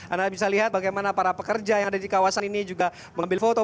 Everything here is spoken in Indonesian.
anda bisa lihat bagaimana para pekerja yang ada di kawasan ini juga mengambil foto